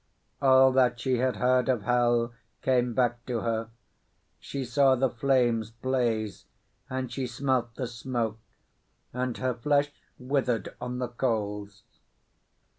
All that she had heard of hell came back to her; she saw the flames blaze, and she smelt the smoke, and her flesh withered on the coals.